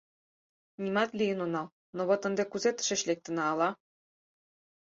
— Нимат лийын онал, но вот ынде кузе тышеч лектына, ала?